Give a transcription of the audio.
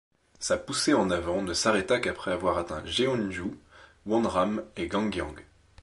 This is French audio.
Sa poussée en avant ne s’arrêta qu’après avoir atteint Jeonju, Wonram et Gangyang.